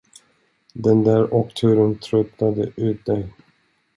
Den där åkturen tröttade ut dig.